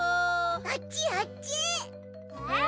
あっちあっち！